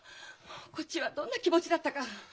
こっちはどんな気持ちだったか。